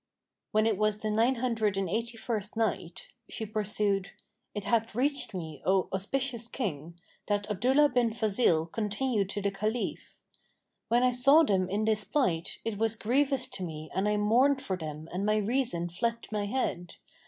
When it was the Nine Hundred and Eighty first Night, She pursued, It hath reached me, O auspicious King, that Abdullah bin Fazil continued to the Caliph, "When I saw them in this plight, it was grievous to me and I mourned for them and my reason fled my head.